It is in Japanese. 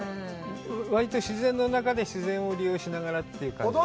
割と自然の中で、自然を利用しながらという感じで。